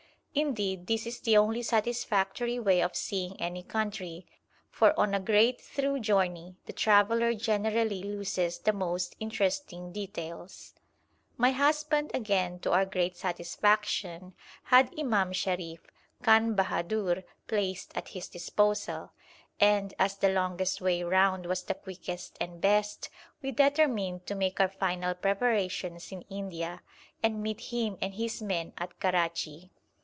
Indeed, this is the only satisfactory way of seeing any country, for on a great through journey the traveller generally loses the most interesting details. My husband again, to our great satisfaction, had Imam Sharif, Khan Bahadur, placed at his disposal; and, as the longest way round was the quickest and best, we determined to make our final preparations in India, and meet him and his men at Karachi.